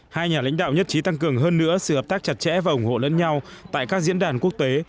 hai nhà lãnh đạo nhất trí tăng cường hơn nữa sự hợp tác chặt chẽ và ủng hộ lẫn nhau tại các diễn đàn quốc tế